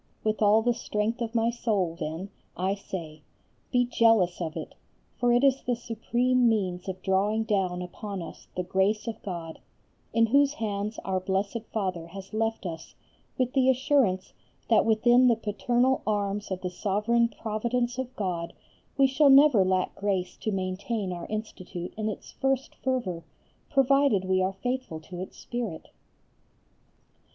With all the strength of my soul then I say: Be jealous of it, for it is the supreme means of drawing down upon us the grace of God, in whose hands Our Blessed Father has left us with the assurance that within the paternal Arms of the sovereign Providence of God we shall never lack grace to maintain our Institute in its first fervour, provided we are faithful to its spirit.